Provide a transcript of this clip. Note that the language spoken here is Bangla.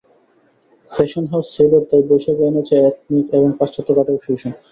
ফ্যাশন হাউস সেইলর তাই বৈশাখে এনেছে এথনিক এবং পাশ্চাত্য কাটের ফিউশন।